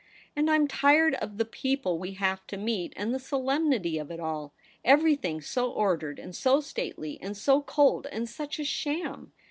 And I'm tired of the people we have to meet, and the solemnity of it all. Everything so ordered, and so stately, and so cold, and such a sham.